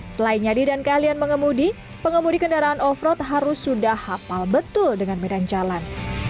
selain nyadi dan kalian mengemudi pengemudi kendaraan off road harus sudah hafal betul dengan medan jalan